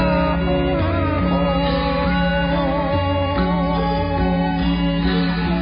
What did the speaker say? ทรงเป็นน้ำของเรา